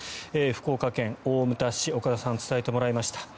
福岡県大牟田市岡田さんに伝えてもらいました。